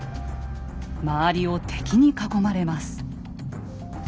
周りを敵に囲まれます。